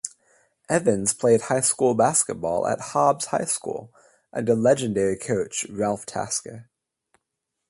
Evans played high school basketball at Hobbs High School under legendary coach Ralph Tasker.